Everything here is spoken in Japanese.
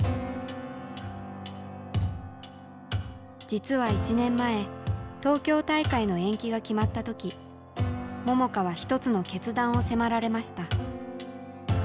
実は１年前東京大会の延期が決まった時桃佳は一つの決断を迫られました。